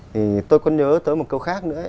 thì tôi có nhớ tới một câu khác nữa